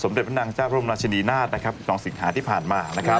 สมเด็จพระนางจ้าพรมราชดีนาฏจองสิงหาที่ผ่านมานะครับ